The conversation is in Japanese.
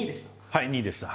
はい２位でした。